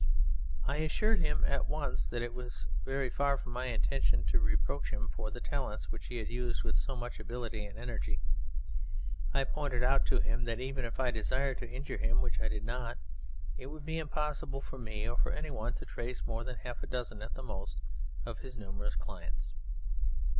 I assured him at once that it was very far from my intention to reproach him for the talents which he had used with so much ability and energy. I pointed out to him that even if I desired to injure him, which I did not, it would be impossible for me, or for any one, to trace more than half a dozen, at the most, of his numerous clients.